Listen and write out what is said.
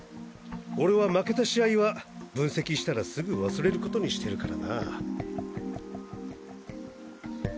俺は負けた試合は分析したらすぐ忘れる事にしてるからなぁ。